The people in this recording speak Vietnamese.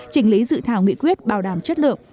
trình lý dự thảo nghị quyết bảo đảm chất lượng